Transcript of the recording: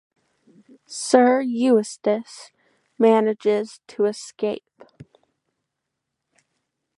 Sir Eustace manages to escape.